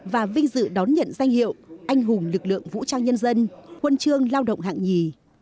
và vinh dự đón nhận danh hiệu anh hùng lực lượng vũ trang nhân dân huân chương lao động hạng nhì